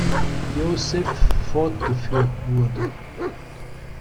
Joseph fortgeführt wurde.